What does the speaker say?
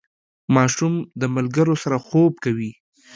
ماشوم د ملګرو سره خوب کوي.